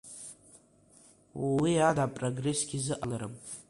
Уи ада апрогрессгьы зыҟаларым.